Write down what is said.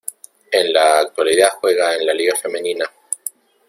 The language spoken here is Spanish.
En la actualidad juega en la Liga Femenina.